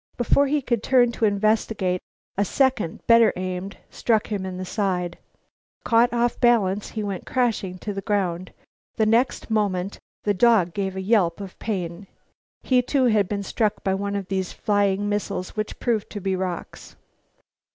Before he could turn to investigate, a second, better aimed, struck him in the side. Caught off his balance, he went crashing to the ground. The next moment the dog gave a yelp of pain. He too had been struck by one of these flying missiles which proved to be rocks.